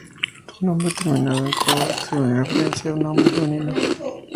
Su nombre, terminado en "ko" hace referencia a un nombre femenino.